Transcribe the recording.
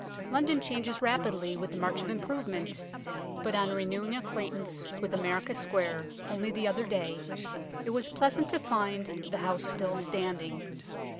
London changes rapidly with the march of improvement, but on renewing acquaintance with America Square only the other day it was pleasant to find the house still standing.